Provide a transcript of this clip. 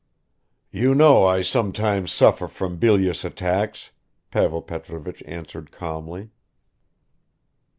"You know I sometimes suffer from bilious attacks," Pavel Petrovich answered calmly.